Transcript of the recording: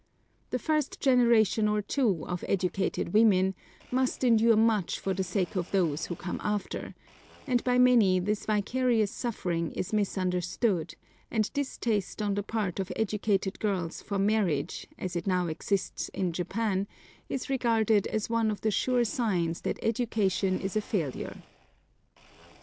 The first generation or two of educated women must endure much for the sake of those who come after, and by many this vicarious suffering is misunderstood, and distaste on the part of educated girls for marriage, as it now exists in Japan, is regarded as one of the sure signs that education is a failure.